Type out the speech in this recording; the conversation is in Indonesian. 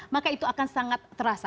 maka itu akan sangat terasa